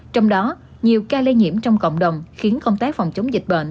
trong đó nhiều ca lây nhiễm trong cộng đồng khiến công tác phòng chống dịch bệnh